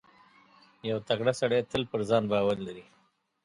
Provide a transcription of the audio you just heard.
• یو تکړه سړی تل پر ځان باور لري.